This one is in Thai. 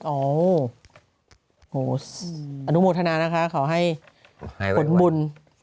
โอ้โหอนุโมทนานะคะขอให้ผลบุญ